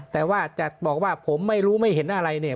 แต่ว่าจะบอกว่าผมไม่รู้ไม่เห็นอะไรเนี่ย